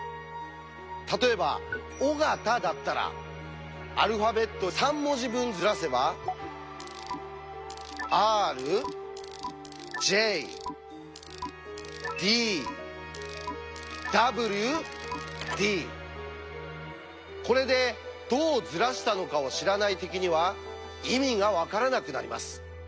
例えば「ＯＧＡＴＡ」だったらアルファベット３文字分ずらせばこれでどうずらしたのかを知らない敵には意味がわからなくなります。